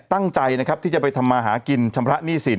ตั้งใจนะครับที่จะไปทำมาหากินชำระหนี้สิน